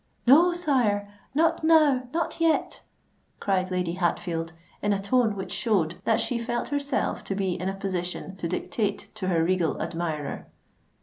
"No, sire—not now—not yet!" cried Lady Hatfield, in a tone which showed that she felt herself to be in a position to dictate to her regal admirer.